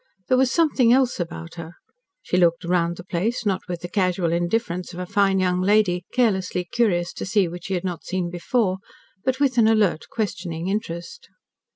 There was "something else about her." She looked round the place, not with the casual indifference of a fine young lady, carelessly curious to see what she had not seen before, but with an alert, questioning interest.